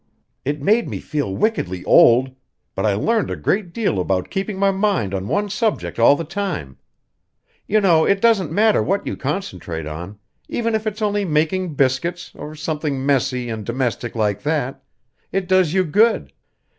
It made me feel wickedly old; but I learned a great deal about keeping my mind on one subject all the time. You know, it doesn't matter what you concentrate on even if it's only making biscuits, or something messy and domestic like that it does you good.